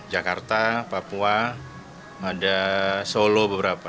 jakarta papua ada solo beberapa